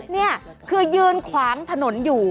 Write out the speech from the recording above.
นี่คือยืนขวางถนนอยู่